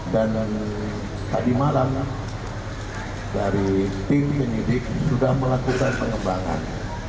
dan tadi malam dari tim penyidik sudah melakukan pengembangan